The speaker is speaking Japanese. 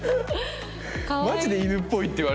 マジで犬っぽいって言われる。